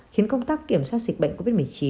khiến công tác kiểm soát dịch bệnh covid một mươi chín